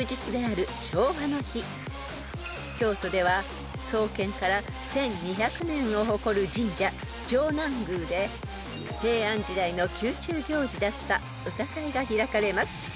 ［京都では創建から１，２００年を誇る神社城南宮で平安時代の宮中行事だった歌会が開かれます］